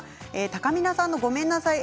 たかみなさんのごめんなさい